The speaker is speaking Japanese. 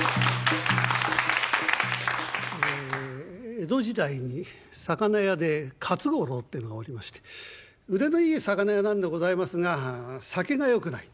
江戸時代に魚屋で勝五郎ってのがおりまして腕のいい魚屋なんでございますが酒がよくない。